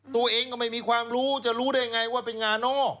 ตัวเองก็ไม่มีความรู้จะรู้ได้ไงว่าเป็นงานอก